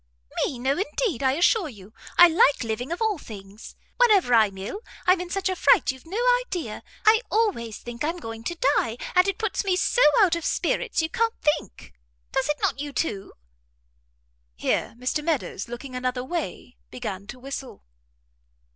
"Me? no indeed; I assure you I like living of all things. Whenever I'm ill, I'm in such a fright you've no idea. I always think I'm going to die, and it puts me so out of spirits you can't think. Does not it you, too?" Here Mr Meadows, looking another way, began to whistle.